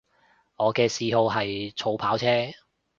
我嘅嗜好係儲跑車